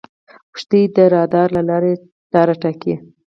کښتۍ د رادار له لارې لاره ټاکي.